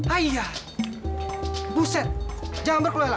aiyah buset jangan berkelela